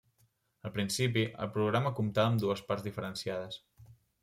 Al principi, el programa comptava amb dues parts diferenciades.